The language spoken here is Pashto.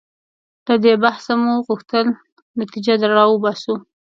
له دې بحثه مو غوښتل نتیجه راوباسو.